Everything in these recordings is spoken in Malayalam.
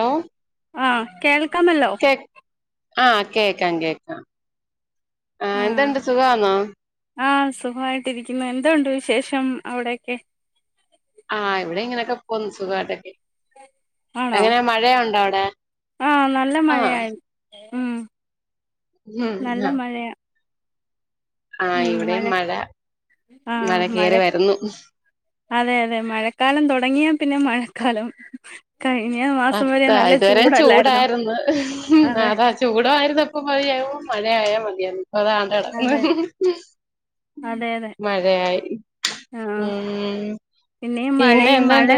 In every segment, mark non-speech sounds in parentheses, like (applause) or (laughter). ഹലോ ആഹ് കേൾക്കാമല്ലോ കേ ആഹ് കേക്കാം കേക്കാം ആഹ് എന്തണ്ട് സുഖമാന്നോ ആഹ് സുഖായിട്ടിരിക്കുന്നു എന്തോണ്ട് വിശേഷം അവിടെക്കെ ആഹ് ഇവിടെ ഇങ്ങനെയൊക്കെ പോന്നു സുഖായിട്ടൊക്കെ ആണോ എങ്ങനെ മഴയുണ്ടോ അവിടെ ആഹ് നല്ല ആ മഴയായിരുന്നു ഉം. ഉം നല്ല (unintelligible) മഴയാ ആ ഉം മഴ ഇവിടെയും ആഹ് മഴ കേറി വരുന്നു അതെ അതെ മഴക്കാലം തുടങ്ങിയാ പിന്നെ മഴക്കാലം കഴിഞ്ഞ വ അതാ ഇതുവരെ ചൂടായിരുന്നു അതെ അതാ ചൂടമായിര്ന്ന ഇപ്പൊ മതിയായുമ്പോ മഴയയാ മതിയാര്ന്ന് അതാണ് അതെ അതെ അതെ മഴയായി ഉം. പിന്നീം പിന്നെ മഴപെയ്യും മഴ എന്താണ്ട്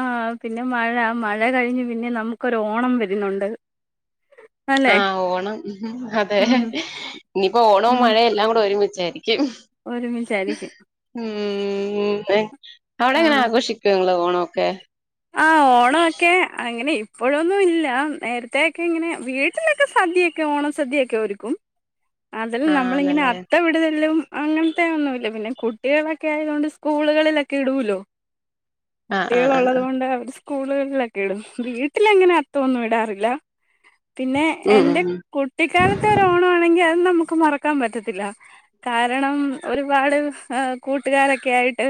ആഹ് പിന്നെ മഴ മഴ കഴിഞ്ഞ് പിന്നെ നമുക്കൊരു ഓണം വരുന്നുണ്ട് അല്ലെ ആഹ് ഓണം അതെ ഉം ഇനിയിപ്പോ ഓണംവും ഉം മഴയും എല്ലാം കൂടെ ഒരുമിച്ചായിരിക്കും ഒരുമിച്ചായിരിക്കും ഉം അവിടെ എങ്ങനെ ആഘോഷിക്കോ നിങ്ങള് ഓണൊക്കെ ആഹ് ഓ ഓണൊക്കെ അങ്ങനെ ഇപ്പോഴൊന്നും ഇല്ല നേരത്തെക്കെ ഇങ്ങനെ വീട്ടിലൊക്കെ സദ്യക്കേ ക്ക്യോണ സദ്യക്കെ ഒരുക്കും അതിൽ നമ്മളിങ്ങനെ ആന്നല്ലേ അത്ത വിടലും അങ്ങൻത്തെ ഒന്നുമല്ല പിന്നെ കുട്ടികളൊക്കെ ആയത്ണ്ട് സ്കൂളുകളിലൊക്കെ ഇടുല്ലോ ആഹ് ആഹ് ആഹ് കുട്ടികളുള്ളത് ആഹ് കൊണ്ട് അവര് സ്കൂളുകളിലൊക്കെ ഇടും വീട്ടിലെങ്ങനെ അത്തംന്നും ഇടാറില്ല പിന്നെ ഉം ഉം എന്റെ ഉം കുട്ടിക്കാൽത്തെ ഒരു ഓണം ആണെങ്കി അത് നമുക്ക് മറക്കാൻ പറ്റത്തില്ല കാരണം ഒരുപാട് എഹ് കൂട്ടുകാരൊക്കെ ആയിട്ട്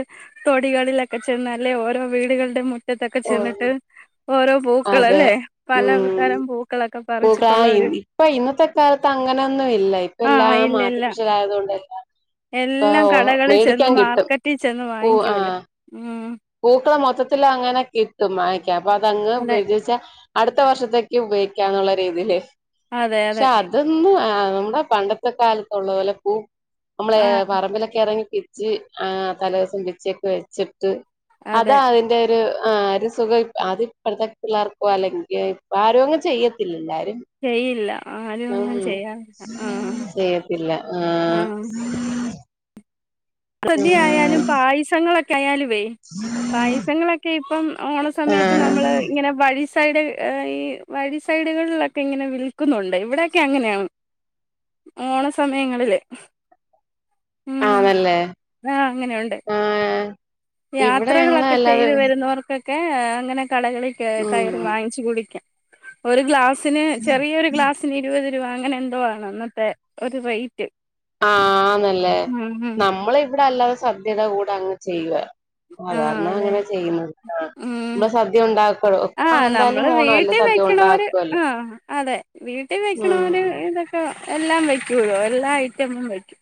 തൊടികളിലൊക്കെ ചെന്ന് ലെ ഓരോ വീടുകളുടെ മു ഇറ്റത്തൊക്കെ ഓഹ് ചെന്നിട്ട് ഓരോ അതെ പൂക്കളല്ലേ പലതരം പൂ പൂക്ളാ ഇപ്പൊ ഇന്നത്തെ കാലത്ത് അങ്ങനെന്നും ഇല്ല ഇപ്പ ആ എല്ലാം ഇല്ല ഇല്ല മാറ്റപുഷലായതുകൊണ്ട് എല്ലാം കടകളിൽ ചെന്ന് കിട്ടും മാർക്കറ്റിൽ ചെന്ന് വാങ്ങിക്കൂല്ലേ ഉം പൂക്കള മൊത്തത്തില അങ്ങനെക്കെ ഇട്ടും വാങ്ങിക്കൻ അപ്പൊ അതങ്ങ് അതെ (unintelligible) അടുത്ത വർഷത്തേക്ക് ഉപയോഗിക്കാന്നുള്ള രീതിയില് അതെ അതെ ഇതൊന്ന് എഹ് നമ്മുടെ പണ്ടത്തെ കാലത്തുള്ള പോലെ പൂ നമ്മളെ ആ പറമ്പിലൊക്കെ ഇറങ്ങി ച്ച് അഹ് തല ദിവസം പിച്ചിയൊക്കെ വെച്ചിട്ട് അതെ അതാ അതിന്റെ ഒര് ആഹ് ര് സുഖം ഇ അത് ഇപ്പത്തെ പിള്ളേർക്കോ അല്ലെങ്കി ഇപ്പ ആരും അങ് ചെയ്യത്തില്ല എല്ലാരും ചെയ്യില്ല ആരും ഉം ഒന്നും ചെയ്യാറില്ല ആ ചെയ്യത്തില്ല ആ ആഹ് ഉം ഹൃതിയാലും പായസങ്ങളൊക്കെ ആയാലും വേ ഉ രസങ്ങളൊക്കെ ഇപ്പം ഓണ സമയത്ത് നമ്മള് ഇങ്ങനെ വഴിസയുടെ ഈ വഴി സൈഡുകളിലൊക്കെ ഇങ്ങനെ വിൽക്കുന്നുണ്ട് ഇവിടെക്കെ അങ്ങനെയാണ് ഓണ സമയങ്ങളില് ആണല്ലേ ഉണ്ട് ആ ഇവിടെ ഞങ്ങള് യാത്രകളൊക്കെ അല്ലാതെ ചെയ്ത് വരുന്നവർക്കൊക്കെ അങ്ങനെ കടകളിൽ ഉം കയറി വാങ്ങിച്ച് കുടിക്കാം ഒരു ഗ്ലാസിന് ചെറിയരു ഗ്ലാസ് തിരി ഇരുപത് രൂപ അങ്ങനെ എന്തോ ആണ് അന്നത്തെ ഒരു റേറ്റ് ആന്നല്ലേ ഉം ഉം നമ്മള ഇവിടെ അല്ലാതെ സദ്യയുടെ കൂടെ അങ്ങ് ചെയ്യുവ ആഹ് സാധാരണ അതെ അങ്ങനെ ചെയ്യുന്നത് അഹ് ഉം നമ്മള് സദ്യ ഉണ്ടാക്ക ആഹ് എന്താല നമ്മള് വീട്ടിൽ വെക്കണര് ആഹ് അതെ വീട്ടിൽ വെക്കണര് ഉം ഇത് എല്ലാം വയ്ക്കോലോ എല്ലാ ഐറ്റമും വയ്ക്കൂ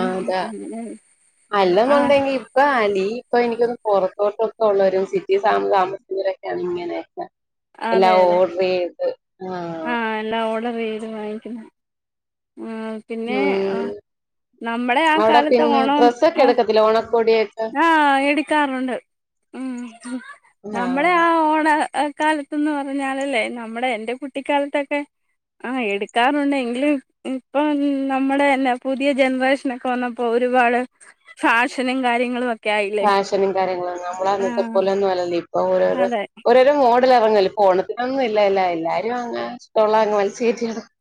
ആതാ അല്ലന്നു ആഹ് ഉണ്ടെങ്കി ഇപ്പൊ ആന്റി ഇപ്പൊ എനിക്കൊന്ന് പോറത്തോട്ടൊക്കെ ഉള്ളവരും സിറ്റി താമസിക്കുന്നവരൊക്കെ അങ്ങനെയൊക്ക അതെ എല്ലാം ഓഡ്രീത് ആഹ് എല്ല ഓഡറീ ത് വാങ്ങിക്കുന്ന ഉം പിന്നെ അഹ് ഉം നമ്മളെ ആഹ് കാലത്തെ ഓണം ഒ തിലോണക്കോടിയൊക്കെ ആഹ് എടിക്കാറുണ്ട് ഉം നമ്മുടെ ആഹ് ആ ഓണ കാലത്ത് ന്ന് പറഞ്ഞാലല്ലേ നമ്മടെ എന്റെ കുട്ടിക്കാലത്തൊക്കെ ആഹ് എടുക്കാറുണ്ട്എങ്കിലും ഇപ്പം നമ്മടെന്നെ പുതിയ ജനറേഷനൊക്കെ വന്നപ്പോ ഒരുപാട് ഫാഷനും കാര്യങ്ങളും ഒ ഫാഷനും കാര്യങ്ങളും നമ്മൾ അന്നത്തെ ആഹ് പോലെന്നും അല്ലല്ലോ ഇപ്പൊ ഓരോ ഓരോ അതെ ഒര് രോ മോഡൽ എറങ്ല്ലെഇപ്പൊ ഓണത്തിനൊന്നും ഇല്ലാ എല്ലാ എല്ലാ (unintelligible)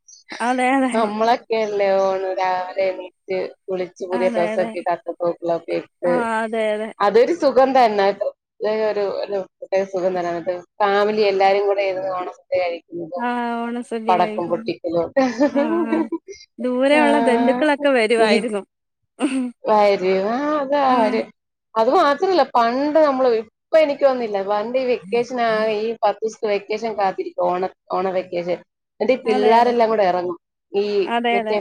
അതെ അതെ നമ്മളൊക്കെല്ലേ ഓണോ രാവ്ലെ എണീ ച്ച് കുളിച്ച് പുതിയ അതെ അതെ ട്രസ്സൊക്കെട്ട് അത്ത പൂക്കളോക്കെ ഇട്ട് ആഹ് അതെ അതെ അതൊരു സുഖം തന്നെട്ട് നല്ലരു ഒരു പ്രത്യേക സുഖം തന്നേണ്ട്ടൊ ഫാമിലി എല്ലാരും കൂടെയിരുന്നു ഓണം ടേ അഴിക്കുമ്പോ ആഹ് ഓണസദ്യ പടക്കം കഴിക്കുന്നു പൊട്ടിക്കലും ഒക്കെ ദൂരെ ഉള്ള ആഹ് ബന്ധുക്കളൊക്കെ വരുആയിരുന്നു വരുവാ അതാ ഉം ര് അത് മാത്രമല്ല പണ്ട് നമ്മള് ഇപ്പ എനിക്ക്ഓന്നില്ല പണ്ട് ഈ വെക്കേഷൻ ആയി പത്ത് ദിവസത്തെ വെക്കേഷൻ കാത്തിരിക്കും ഓണ ഓണ വെക്കേഷൻ എന്നീട്ടീ അതെ അതെ പിള്ളേരെല്ലാം കൂടെ ഇറങ്ങും ഈ അതെ അതെ മറ്റെ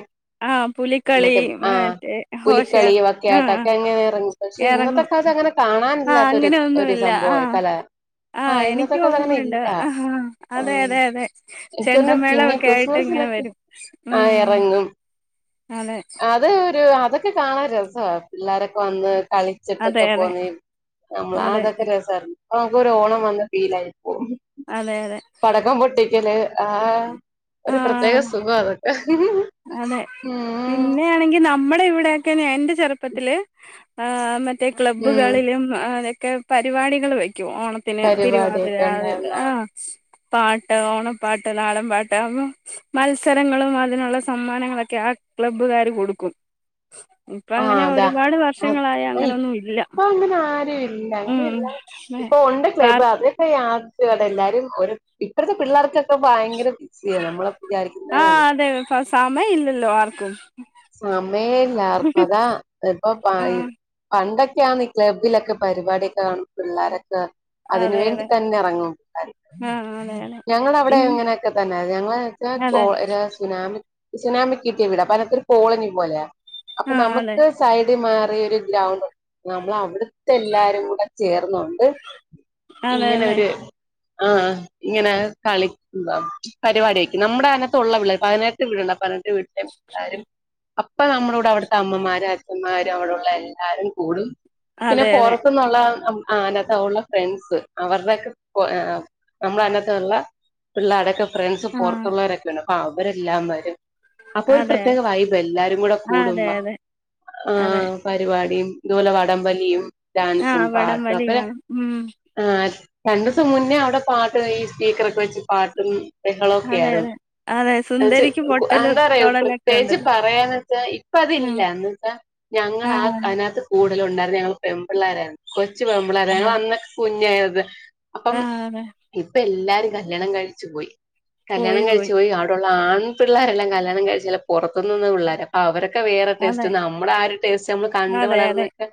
ആഹ് പുലിക്കളി മറ്റേ ആ മറ്റേ പുലിക്കളി ഹോഷയാത്ര ഒ ആഹ് ക്കയായിട്ടോക്കെ എങ്ങനെ എറങ്ങും പക്ഷെ ഇന്നത്തെ എറങ്ങും കാലത്ത് അങ്ങനെ ആഹ് കാണാനില്ലാത്ത ഒരു അങ്ങനെ ഒരു ഒന്നുമില്ല സംഭവായി ആഹ് കല ആഹ് എനിക്ക് ഇന്നത്തൊക്കെങ്ങനെ ഓർമ്മയുണ്ട് ഇല്ല ആഹ് അതെ ഉം അതെ അതെ എനിക്കൊരു പിന്നെ ചെണ്ടമേളൊക്കെ ആയിട്ട് ഇങ്ങനെ ക്രിസ്മസിനൊക്കെ വരും ആ ഉം എറങ്ങും അതെ അത് ഒരു അതൊക്കെ കാണാൻ രസ പിള്ളാരൊക്കെ വന്ന് കളി അതെ ചിട്ടോക്കെ അതെ പോനീം അതെ നമ്മളാതൊക്കെ രസര്ന് ആ കോരു ഓണം വന്ന് ഫീലായി പോകും അതെ അതെ പടക്കം പൊട്ടിക്കല് ആഹ് ഒരു പ്രത്യേക ആഹ് സുഖ അതൊക്കെ കാണെങ്കി നമ്മടെ ഇവിടെക്കെ എന്റെ ചെറുപ്പത്തില് ആ മറ്റേ റ്റേ ഉം ക്ലബ്ബുകളിലും അതൊക്കെ പരിപാടികൾ വെക്കും ഓണ ത്തിന് തിരുവാതിര പരിപാടിയൊക്കെ ഉണ്ടായിരുന്നു ആ പാട്ട് ഓണപ്പാട്ട് നാടൻ പാട്ട് അതോന്നും മത്സരങ്ങളും അതിനുള്ള സമ്മാനങ്ങളൊക്കെ ആഹ് ക്ലബ്ബുകാര് കൊടുക്കും ഇപ്പൊ ആഹ് അങ്ങനെ ഒരുപാട് അതാഅയ് വർഷങ്ങളായി ഓയ് അങ്ങനൊന്നും ഇല്ല ഇപ്പ അങ്ങനെ ആരുഇല്ല ഉം അങ്ങനെല്ല ഇപ്പൊ ഉണ്ട് ക്ലബ്ബ് അത് പ്പ യാത്രകൾ എല്ലാരും ഒരു ഇപ്പഴത്തെ പിള്ളർക്കൊക്കെ ഭയങ്കര ബിസിയാ നമ്മളെ വിചാരിക്കുന്ന ആഹ് അതെ പ സമ ഇല്ലല്ലോ ആർക്കും സമയല്ലാർക്കും അതാ ആ ഇപ്പൊപൈ പണ്ടൊക്കെയാന്ന് ഈ ക്ലബ്ബിലൊക്കെ പരിപാടിയൊക്കെ കാണുമ്പ് പിള്ളോരൊക്കെ അതിന് അതെ വേണ്ടി അതെ തന്നെ എറങ്ങും ആ അതെ അതെ ഞങ്ങളവടെ പിന്നെ എങ്ങനെയൊക്കെ തന്നെ ഞങ്ങളെ യെക്കെ പോ അതെ ര സ് സുനാമി സുനാമി കിട്ടിയ വീടാ അപ്പൊ അതിനത്തൊരു കോളനി പോലെ ആ അതെ അപ്പനമക്ക് സൈഡിൽ മാറിയ ഒരു ഗ്രൗണ്ട് ഉണ്ട് നമ്മള അവിടുത്തെ എല്ലാരും കൂടെ ചേർന്ന ന്നിട്ട് അതെ അല്ലെ ഇങ്ങനെരു ആഹ് ഇങ്ങനെ കളി ഉ പരിപാട ആക്കി നമ്മുടെ അനത്തുള്ള വട പതിനെട്ട് വീടുണ്ട പതിനെട്ട് വീട്ടില എല്ലാരും അപ്പ നമ്മള കടെ അവിടുത്തെ അമ്മമാരും അച്ഛന്മാരും അവിടെള്ള എല്ലാരും കൂടും പിന്നെ അതെ അതെ പൊറത്തന്നുള്ള ആ അനത്ത ഉള്ള ഫ്രണ്ട്സ് അവരുടെയ ഒക്കെ നമ്മള അന്നത്ത ഉള്ള- പിള്ളേടൊക്കെ ഫ്രണ്ട്സ് ആഹ് പോറത്തുള്ളവരൊക്കെയ ഉണ്ട് അപ്പൊ അവരെല്ലാം വരും അപ്പൊ ഒരു അതെ പ്രത്യേക വൈ - എല്ലാരും കൂടെ ആ, അതെ കൂടുമ്പോ അതെ ആ അതെ പരിപാടിയും ഇതു പോലെ വടംവലിയും ഡാൻസും ആഹ് വടം പാട്ടും വലി ക്കെ കാണും ഉം ആ രണ്ടുസം മുന്നേ അവിടെ പാട്ട് ഈ സ്പീക്കറൊക്കെ വെച്ച് പാട്ടും ളൊക്കെ അതെ ആയിരുന്നു അതെ അതെ എന്ന്ച്ച് സുന്ദരിക്ക് പൊട്ടല് എന്താറയ തൊടലൊക്കെ പ്രത്യേകിച്ച് ഉണ്ടല്ലോ ഇപ്പ യാന്ന്ച്ചാ ഇപ്പ അതില്ല ആഹ് എന്ന് വച്ചാ ഞങ്ങളാ ആക ആഹ് അതിനകത്ത് കൂടുതലും ഉണ്ടായിരുന്നു ഞങ്ങൾ പെമ്പിള്ളാരരുന്നു കൊച്ചു പെമ്പിള്ളോര ഞങ്ങൾ അതെ അന്നൊക്കെ കുഞ്ഞായത് അപ്പം ആഹ് അതെ ഇപ്പ എല്ലാരും കല്യാണം കഴിച്ചു പോയി കല്യാണം കഴിച്ചു പോയി അ ആൺ പിള്ളേരെല്ലാം കല്യാണം കഴിച്ച പുറത്തുനിന്നന്ന് പിള്ളോര- അവരൊക്കെ വേറെ അതെ ടേസ്റ്റ് നമ്മൾ ആ ഒരു ടേസ്റ്റ് നമ്മൾ കണ്ട് അതെ അതെ വളർന്നൊക്കെ-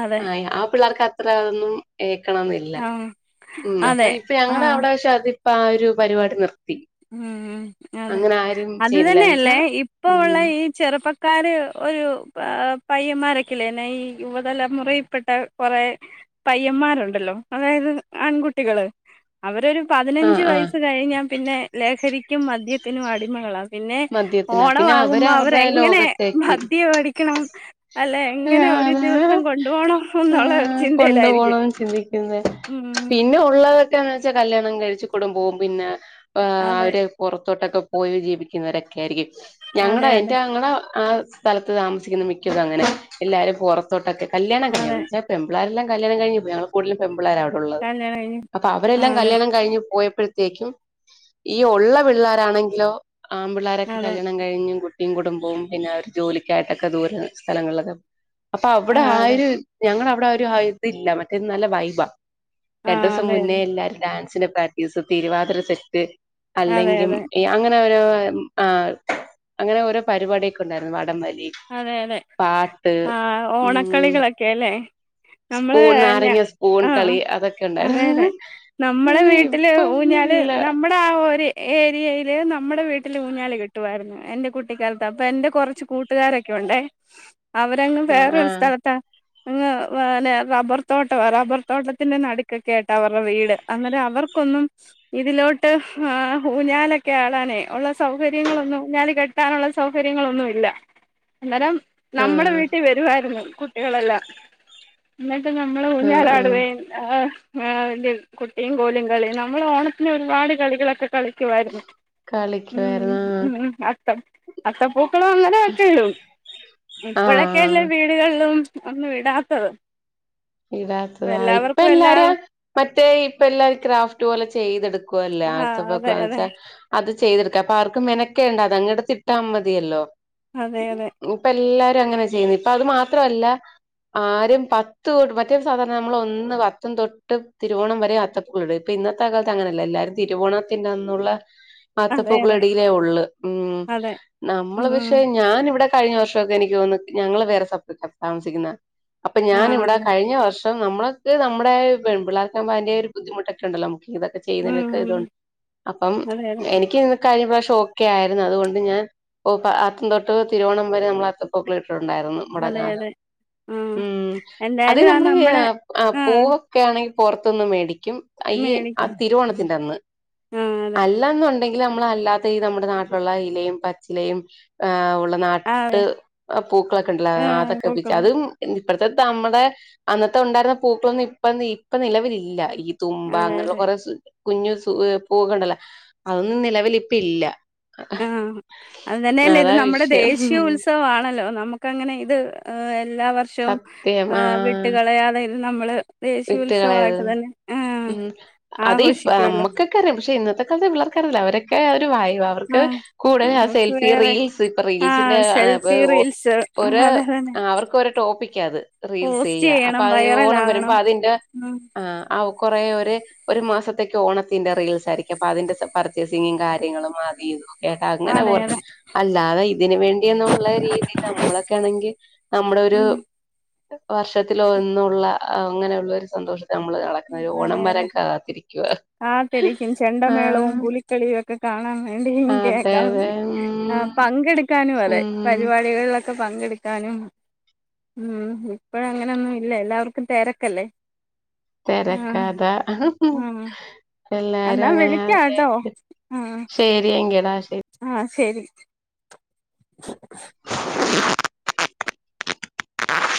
അതെ ആയി ആ പിള്ളേർക്ക് അത്ര അതൊന്നും ഏക്കണം എന്നില്ല ആഹ് ഉ അപ്പൊ അതെ ഇപ്പ ഞങ്ങളുടെ ആഹ് അവിടെ വശ അതി പ്പ ആ ഒരു പരിപാടി നിർത്തി ഉംഉം അതെ അങ്ങനെ ആരും അത് ചെയ്യുന്നില്ല എന്ന് വെച്ചാ തന്നെയല്ലേ ഇപ്പ ഉള്ള ഉം ഈ ചെറുപ്പക്കാര് ഒരു പയ്യന്മാരൊക്കെല്ലേന്നെ ഈ യുവതലമുറയിൽപ്പെട്ട കുറെ- പയ്യന്മാരുണ്ടല്ലോ അതായത് ആൺകുട്ടികള് അവരൊരു ആഹ് പതിനഞ്ച് ആഹ് വയസ്സ് കഴിഞ്ഞാൽ പിന്നെ ലഹരിക്കും മദ്യത്തിനും അടിമകളാ. പിന്നെ മദ്യത്തിന പിന്നെ അവര് ഓണമാകുമ്പോ അവർ അവരുടെ എങ്ങനെ ലോകത്തേക്ക് മദ്യ മേടിക്കണം? അല്ലെ എങ്ങനെ ഒരു ആഹ് ദിവസം കൊണ്ടു പോണം എന്നുള്ള കൊണ്ടു ചിന്തയിലായിരിക്കും. പോണം ചിന്തിക്കുന്നെ ഉം പിന്നെ ഉള്ളവർക്കെന്ന് വെച്ചാൽ കല്യാണം കഴിച്ച കൂടുംബവും പിന്നെ് അതെ അവര് പുറത്തോട്ടൊക്കെ പോയി ജീവിക്കുന്നവരൊക്കെ ആയിരിക്കും ഞങ്ങടെ അതെ എന്റെ അതെ ആങ്ങള ആ സ്ഥലത്ത് താമസിക്കുന്ന മിക്കതും അങ്ങനെ എല്ലാരും പുറത്തോട്ടൊക്കെ കല്യാണ കഴ- അതെ പെൺപിള്ളേരെല്ലാം കല്യാണം കഴിഞ്ഞപ്പോ ഞങ്ങ കുടുതലും പെൺപിള്ളേർ ആണ് ഉള്ളത് കല്യാണം കഴിഞ്ഞ് അപ്പൊ ആ അവരെല്ലാം അതെ കല്യാണം കഴിഞ്ഞഞ് പോയപ്പോഴത്തേക്കും ഈ ഉള്ള പിള്ളേരാാണെങ്കിലോ ആ പിള്ളേരൊക്കെ അതെ കല്യാണം കഴിഞ്ഞു കുട്ടിയും കുടുംബവും പിന്നെ അവര് ജോലിക്കായിട്ടൊക്കെ ദൂര സ്ഥലങ്ങളിലക്കെ- അപ്പ അവിടെ ആ ഒരു ഞങ്ങള വിടെ ആ ഒരു ആ ഇതില്ല മറ്റേ നല്ല വൈബ ആ രണ്ടുസം അതെ മുന്നേ അതെ എല്ലരും ഡാൻസിന് പ്രാക്ടീസ് തിരുവാതിര സെറ്റ്- അതെ അല്ലെങ്കിൽ അതെ അങ്ങനെ ഓരോ ആ അങ്ങനെ ഓരോ പരിപാടിയൊക്കെ ണ്ടായിരുന്നു വടംവലി അതെ പാട്ട് ഉം കളികളൊക്കെ ല്ലേ സ്പൂൺ നാരങ്ങ സ്പൂൺ കളി അതൊക്കെ അതെ ണ്ടായിരുന്നു അതെ ഹാ നമ്മളെ വീട്ടില് ഊഞ്ഞാല് നമ്മ- നമ്മ ആ ഒരു ഏരിയയിയില് നമ്മുടെ വീട്ടിൽ ഊഞ്ഞാല് കിട്ടുമായിരുന്നു. എന്റെ കുട്ടിക്കാലത്ത് അപ്പൊ എന്റെ കുറച്ച് കൂട്ട- കാരൊക്കെ ഉണ്ടേ അവരങ്ങും ആ വേറ ആ ഒരു സ്ഥലത്താ അന്നെ റബ്ബർ തോട്ടം റബ്ബർ തോട്ടത്തിന്റെ നടുക്കൊക്കെ ആട്ടാ അവരുടെ വീട് അങ്ങനെ അവർക്കൊന്നും ഇതിലോട്ട് ആ ഊഞ്ഞാലൊക്കെ ആട നേ ഉള്ള സൗകര്യങ്ങളൊന്ന ഊഞ്ഞാല കെട്- കെട്ടാനുള്ള സൗകര്യങ്ങളൊന്നു ഇല്ല അന്നേരം ആ നമ്മുടെ വീട്ടിൽ വരുവായിരുന്നു കുട്ടികളെല്ലാം എന്നിട്ട് നമ്മൾ ആ ആ ഊഞാലാടുവേ ആ കുട്ടിയും കോലിയും കളിയും നമ്മള് ഓണത്തിന് ഒരുപാട് കളികളൊക്കെ കളി- കുറവായിരുന്നു കളിക്കുവായിരുന്നു ആ അത്തം അത്തപ്പൂക്കൾ വന്ന- ഇപ്പഴൊക്കെ എല്ലാ ആഹ് വീടുകളിലും ഒന്നും ഇടാത്തത്. ഇപ്പൊ ഇടാത്തതാ ഇപ്പ എല്ലാവർക്കും എല്ലാരും എല്ലാവരും മറ്റേ ഇപ്പ എല്ലാരും ക്രാഫ്റ്റ് പോലെ ചെയ്തെടുക്ക- ക്കല്ലേ ആ അതെ അതെ ആത്തപ്പക്കച്ച- അത് ചെയ്തെടുക്ക അപ്പൊ ആർക്കും മെനക്കേണ്ട അതങ്ങട്ട് ഇട്ടാ മതിയല്ലോ അതെ അതെ ഇപ്പ എല്ലാരും അങ്ങനെ ചെയ്യുന്നു ഇപ്പ അത് മാത്രല്ല ആരും ത്ത മറ്റേ സാധാരണ നമ്മള് ഒന്ന് അത്തം തൊട്ട് തിരുവോണം വരെ അത്തപുവീടും ഇപ്പൊ ഇന്നത്തെ കാലത്ത് അങ്ങനെയല്ല എല്ലാവരും തിരുവോണത്തിന്റെന്നുള്ള അതെ ആത്തപ്പൂക്കള അതെ ഇടിയിലേ ഉള്ളു അതെ നമ്മള് ഉം പക്ഷേ ഞാനിവിടെ കഴിഞ്ഞ വർഷംക്കെ എനിക്ക് തേന്നുന്ന് ഞങ്ങള് വേറെ താമസിക്കുന്ന അപ്പൊ ആ ഞാൻ ഇവിടെ അതെ ഞ്ഞ വർഷം നമ്മൊക്ക് നമ്മുടെ പെൺപിള്ളേർക്ക് അതിന്റെ ഒരു ബുദ്ധിമുട്ടൊക്കെണ്ടോ നമുക്ക് ഇതൊക്കെ ഉം ചെയ്യുന്നതിനൊക്കെ ഉം ഇതണ്ട് അപ്പം അതെ അതെ എനിക്ക് കഴിഞ്ഞ പ്രാവശ്യം ഓക്കെ ആയിരുന്നു അതുകൊണ്ട് ഞാൻ ഓ ആത്തം തൊട്ട് തിരുവോണം വരെ നമ്മള് ആത്തപൂക്കളിട്ടുണ്ടായിരുന്നു. അതെ മടങ്ങാത അതെ ആ ഉം അത് എന്തായാലും ആ നമ്മുടെ ആ പൂവ ക്കെ ആണെങ്ക പുറത്തൊന്ന് മേടിക്കും ആ മേടിക്കും തിരുവോണത്തിന്റെ അന്ന് ആ അതെ അല്ല അല്ലന്നുണ്ടെങ്കിൽ നമ്മള് ഒറ്റ അല്ലാത്ത ഈ നമ്മുടെ നാട്ടിലുള്ള ഇലയും പച്ചിലയും ആ ഉള്ള നാട്ട് അതെ പൂക്കളൊക്കെ ഉണ്ടല്ലോ ആ അതൊക്കെ പിച്ചൂം പൂക്കളം അതും ഇപ്പഴത്തെ നമ്മുടെ അന്നത്തെ ഉണ്ടായിരുന്ന പൂക്കളൊന്നും ഇപ്പ നിലവിലില്ല തുമ്പ അതെ അതെ അങ്ങനെയുള്ള കുറെ കുഞ്ഞു പൂവ്ക്കണ്ടല്ലോ അതൊന്നും നിലവില് ഇപ്പ ഇല്ല ആഹ് അത് തന്നെയല്ല ഇത് അതാ നമ്മുടെ വിഷയം ദേശീയ ഉത്സവമാണല്ലോ നമ്മുക്ക് അങ്ങനെ ഇത് എല്ലാ വർഷവും സത്യം ആഹ് വിട്ടുകളയാതെ നമ്മള് വിട്ട് കളയത് ദേശീയോത്സവമായിട്ട് തന്നെ ആ ഉം അത് ഇപ്പ ആഘോഷിക്കുമല്ലോ നമ്മക്കൊക്കെ പക്ഷെ ഇന്നത്തെ കാലത്ത് പിള്ളർക്ക് അറീല്ല അ അവരൊക്കെ ഒരു വൈയ അവർക്ക് ആഹ് കൂടുതൽ ആ നമുക്ക് സെൽഫി വേറെ റീൽസ് ഇപ്പ റീൽസിന്റെ ആഹ് സെൽഫി റീൽസ് ഒരു അതെ തന്നെ അവർക്ക് ഒരു ടോപ്പിക് അത് റീൽസ് പോസ്റ്റ് ചെയ്യ അപ്പൊ ചെയ്യണം അത് ഓണം വരുമ്പം വൈറലാകണം അപ്പ അതിന്റെ ഉം ആ ആ കൊറ അവര് ഒരു മാസത്തേക്ക് ഓണത്തിന്റെ റീൽസ് ആയിരിക്കും അപ്പൊ അതിന്റെ പർച്ചേസിങ്ങും കാര്യങ്ങളും ആദ്യ ചെയ്തു ഏട്ടാ അങ്ങനെ അതെ പോകു അതെ അല്ലാതെ ഇതിന് വേണ്ടിന്നുള്ള രീതിയിൽ നമ്മളൊക്കെ ആണെങ്കിൽ നമ്മുടെ ഒരു ഉം വർഷത്തില് ഒന്നുള്ള അങ്ങനെയുള്ള ഒരു സന്തോഷം നമ്മള് കളിക്കുന്ന അതെ ഓണം വരാൻ അതെ കാത്തിരിക്കുക ആ കളിയൊക്കെ കാണാൻ വേണ്ടി കേക്കാൻ അതെ വേണ്ടി ആ ഉം പങ്കെടുക്കാനും അതെ ഉം പരിപാടികളിലൊക്കെ ഒക്കെ പങ്കെടുക്കാനും ഉം ഇപ്പഴ് അങ്ങനെന്നും ഇല്ല എല്ലാവർക്കും തിരക്കല്ലേ ആ തിരക്കാതെ ഉംഉം ആ എല്ലാരും എന്നാ അങ്ങനെ വിളിക്കാട്ടോ ആണെന്ന് ശെരി എങ്കി എടാ ശെരി ആഹ് ശരി